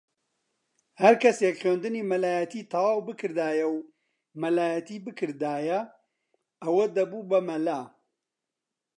ھەر کەسێک خوێندنی مەلایەتی تەواو بکردایە و مەلایەتی بکردایە ئەوە دەبوو بە مەلا